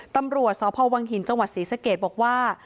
ตำรวจซพวังหินจศรีสเกตบอกว่า